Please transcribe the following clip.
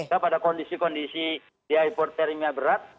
karena pada kondisi kondisi dia hipotermia berat